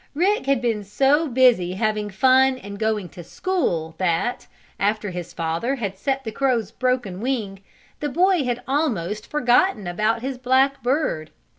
Rick had been so busy having fun and going to school that, after his father had set the crow's broken wing, the boy had almost forgotten about his black bird.